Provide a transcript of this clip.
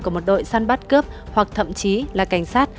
của một đội săn bắt cướp hoặc thậm chí là cảnh sát